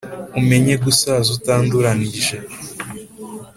umenye gusaza utanduranyije